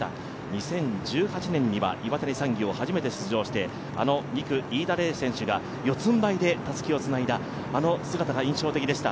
２０１８年には岩谷産業、初めて出場して、あの２区、飯田怜選手が四つんばいでたすきをつないだ、あの姿が印象的でした。